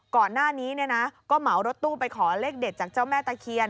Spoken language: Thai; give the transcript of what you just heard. ก่อนหน้านี้ก็เหมารถตู้ไปขอเลขเด็ดจากเจ้าแม่ตะเคียน